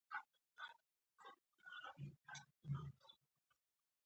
لرګی د ونې له تنه جوړېږي.